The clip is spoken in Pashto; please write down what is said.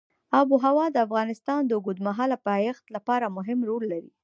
آب وهوا د افغانستان د اوږدمهاله پایښت لپاره مهم رول لري.